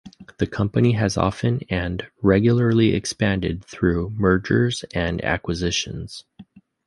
The company has often and regularly expanded through mergers and acquisitions.